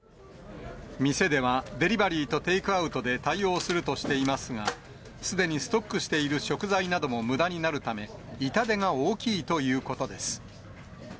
店ではデリバリーとテイクアウトで対応するとしていますが、すでにストックしている食材などもむだになるため、痛手が大きいということです。